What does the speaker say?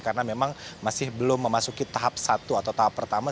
karena memang masih belum memasuki tahap satu atau tahap pertama